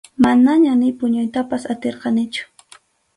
Manañam ni puñuytapas atirqanichu.